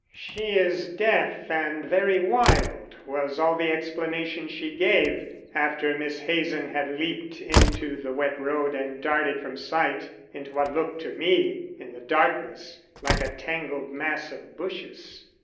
'She is deaf and very wild' was all the explanation she gave after Miss Hazen had leaped into the wet road and darted from sight into what looked to me, in the darkness, like a tangled mass of bushes.